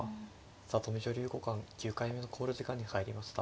里見女流五冠９回目の考慮時間に入りました。